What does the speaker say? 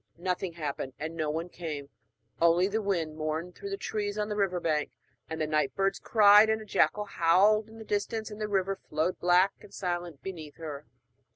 Nothing happened and no one came; only the wind mourned through the trees on the river bank, and the night birds cried, and a jackal howled in the distance, and the river flowed black and silent beneath her.